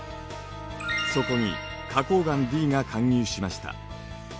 そこに花こう岩Ｄが貫入しました。